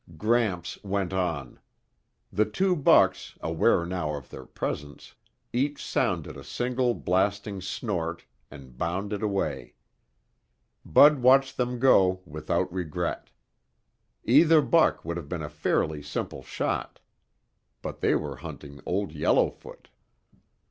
Gramps went on. The two bucks, aware now of their presence, each sounded a single blasting snort and bounded away. Bud watched them go without regret. Either buck would have been a fairly simple shot. But they were hunting Old Yellowfoot.